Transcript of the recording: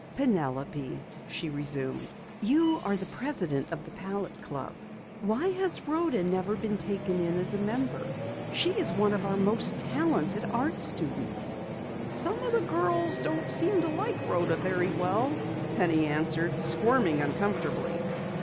"Penelope," she resumed, "you are president of the Palette Club. Why has Rhoda never been taken in as a member? She is one of our most talented art students." "Some of the girls don't seem to like Rhoda very well," Penny answered, squirming uncomfortably.